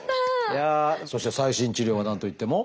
そして最新治療が何といっても。